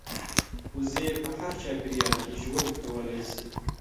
وزې په هر چاپېریال کې ژوند کولی شي